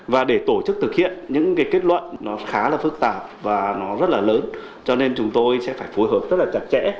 và để tổ chức thực hiện những cái kết luận nó khá là phức tạp và nó rất là lớn cho nên chúng tôi sẽ phải phối hợp rất là chặt chẽ